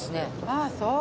ああそう。